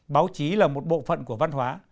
báo chí là một bộ phận của văn hóa